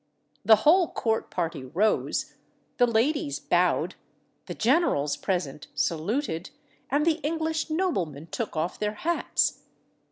The whole court party rose, the ladies bowed, the generals present saluted, and the English noblemen took off their hats.